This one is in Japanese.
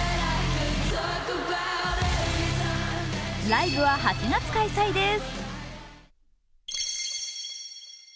ライブは８月開催です。